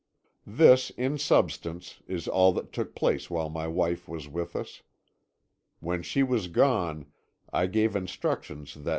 "This, in substance, is all that took place while my wife was with us. When she was gone I gave instructions that M.